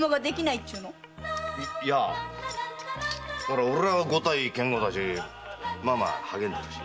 いや俺は五体堅固だしまあ励んでるし。